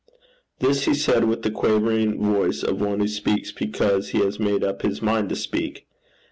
This he said with the quavering voice of one who speaks because he has made up his mind to speak.